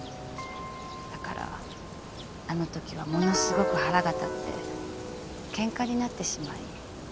だからあの時はものすごく腹が立ってケンカになってしまい。